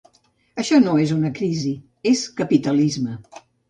Això no és una crisi, és capitalisme